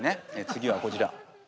次はこちら。